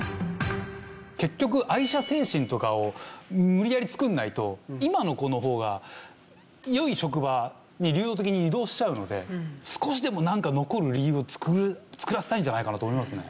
結局愛社精神とかを無理やり作らないと今の子の方が良い職場に流動的に移動しちゃうので少しでもなんか残る理由を作らせたいんじゃないかなと思いますね。